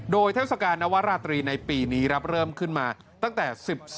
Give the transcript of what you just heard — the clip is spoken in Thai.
โดยเทศกาลนวราตรีในปีนี้เริ่มขึ้นมาตั้งแต่๑๒